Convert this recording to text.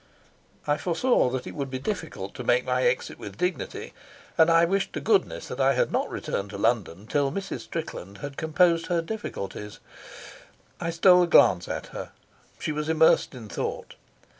I foresaw that it would be difficult to make my exit with dignity, and I wished to goodness that I had not returned to London till Mrs. Strickland had composed her difficulties. I stole a glance at her. She was immersed in thought.